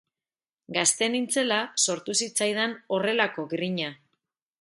Gazte nintzela sortu zitzaidan horrelako grina.